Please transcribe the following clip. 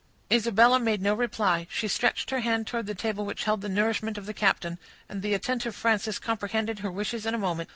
Isabella made no reply; she stretched her hand towards the table which held the nourishment of the captain, and the attentive Frances comprehended her wishes in a moment.